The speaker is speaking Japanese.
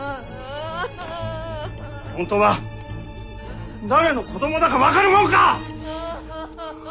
本当は誰の子どもだか分かるもんか！